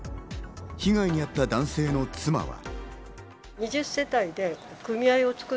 被害に遭った男性の妻は。